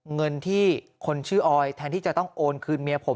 เงินที่คนชื่อออยแทนที่จะต้องโอนคืนเมียผม